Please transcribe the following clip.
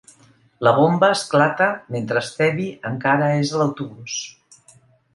La bomba esclata mentre Stevie encara és a l'autobús.